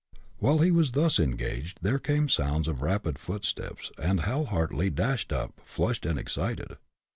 While he was thus engaged there came sounds of rapid footsteps, and Hal Hartly dashed up, flushed and excited.